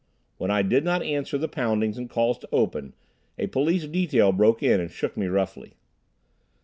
When I did not answer the poundings and calls to open, a police detail broke in and shook me roughly.